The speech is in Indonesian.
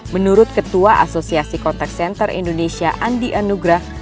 menurut ketua asosiasi kontak center indonesia andi anugrah